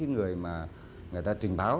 người người ta trình báo